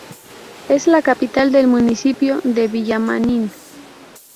Es la capital del municipio de Villamanín.